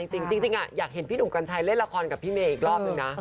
จริงอยากเห็นพี่หนุ่มกัญชัยเล่นละครกับพี่เมย์อีกรอบนึงนะ